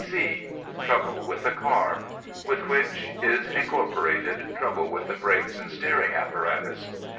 C. Trouble with the car. (With which is incorporated trouble with the brakes and steering apparatus.)